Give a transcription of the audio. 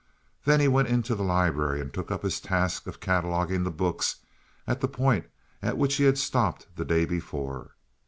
Then he went into the library and took up his task of cataloguing the books at the point at which he had stopped the day before.